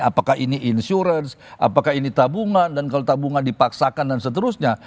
apakah ini insurance apakah ini tabungan dan kalau tabungan dipaksakan dan seterusnya